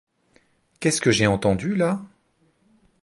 Qu'est-ce que j'ai entendu là ?